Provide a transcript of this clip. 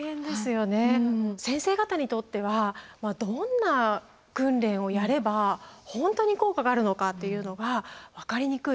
先生方にとってはどんな訓練をやれば本当に効果があるのかというのが分かりにくい。